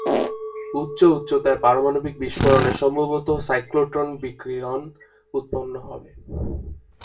উচ্চ উচ্চতায় পারমাণবিক বিস্ফোরণে সম্ভবত সাইক্লোট্রন বিকিরণ উৎপন্ন হবে।